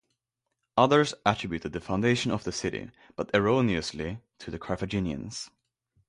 Others attributed the foundation of the city, but erroneously, to the Carthaginians.